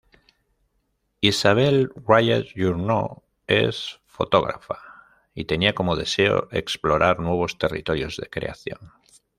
Isabelle Royet-Journoud es fotógrafa, y tenía como deseo explorar nuevos territorios de creación.